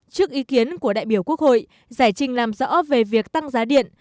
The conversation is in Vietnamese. trước ý kiến của đại biểu quốc hội giải trình làm rõ về việc tăng giá điện